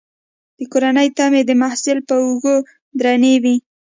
د کورنۍ تمې د محصل پر اوږو درنې وي.